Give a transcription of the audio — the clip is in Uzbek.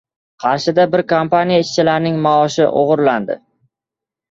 Qarshida bir kompaniya ishchilarining maoshi o‘g‘irlandi